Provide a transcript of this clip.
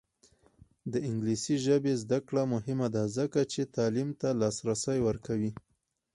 د انګلیسي ژبې زده کړه مهمه ده ځکه چې تعلیم ته لاسرسی ورکوي.